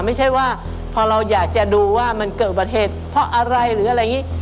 ไม่ใช่ว่าพอเราอยากจะดูว่ามันเกิดประเทศเพราะอะไร